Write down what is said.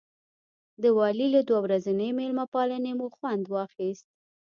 د والي له دوه ورځنۍ مېلمه پالنې مو خوند واخیست.